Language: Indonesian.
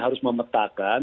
kalau menentukan kekuatan